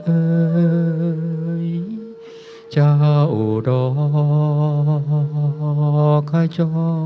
เอยเจ้าดอก่ะจอ